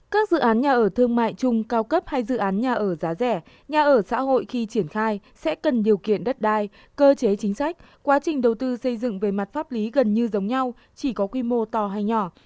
các dự án nhà ở thương mại chung cao cấp hay dự án nhà ở giá rẻ nhà ở xã hội khi triển khai sẽ cần điều kiện đất đai cơ chế chính sách quá trình đầu tư xây dựng về mặt pháp lý gần như giống nhau chỉ có quy mô to hay nhỏ